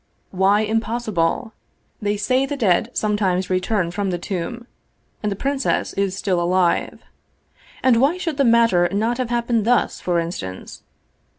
" Why impossible? They say the dead sometimes return from the tomb, and the princess is still alive. And why should the matter not have happened thus, for instance?